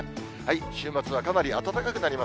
週末はかなり暖かくなります。